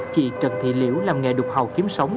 chị trần thị liễu làm nghề đục hầu kiếm sống